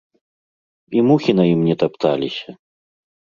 І мухі на ім не тапталіся!